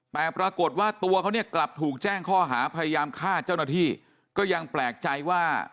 แต่ปรากฏว่าตัวเขาเนี่ยกลับถูกแจ้งข้อหาพยายามฆ่าเจ้าหน้าที่ก็ยังแปลกใจว่า